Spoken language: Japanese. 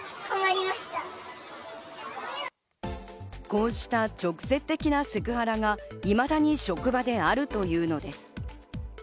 こうした直接的なセクハラがいまだに職場であるというのです。